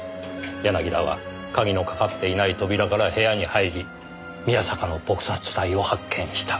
柳田は鍵のかかっていない扉から部屋に入り宮坂の撲殺体を発見した。